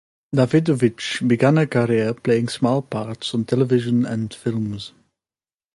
Davidovich began her career playing small parts on television and films.